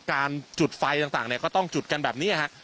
การจุดไฟต่างก็ต้องจุดกันแบบนี้ฮะ